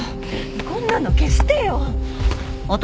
こんなの消してよ！